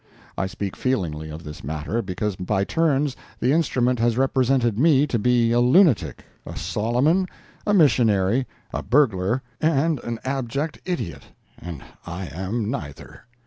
I speak feelingly of this matter, because by turns the instrument has represented me to be a lunatic, a Solomon, a missionary, a burglar and an abject idiot, and I am neither.